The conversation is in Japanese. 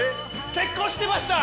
結婚してました！